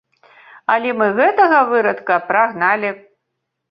Але мы гэтага вырадка прагналі.